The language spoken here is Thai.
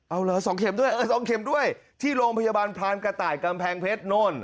เอาเหรอ๒เข็มด้วยเออ๒เข็มด้วยที่โรงพยาบาลพรานกระต่ายกำแพงเพชรโน่น